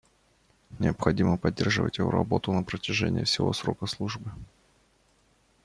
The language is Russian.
Необходимо поддерживать его работу на протяжении всего срока службы